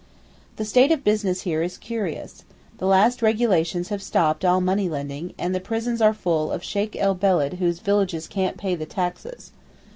The state of business here is curious. The last regulations have stopped all money lending, and the prisons are full of Sheykh el Beled whose villages can't pay the taxes.